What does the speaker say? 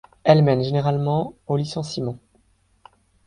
Elle mène généralement au licenciement.